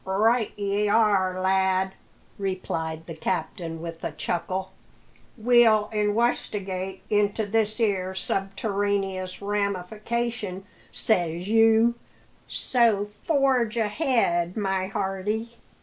"Right ye are, lad," replied the captain with a chuckle. "We'll inwestigate into this 'ere subterraneous ramification, says you; so forge ahead, my hearty."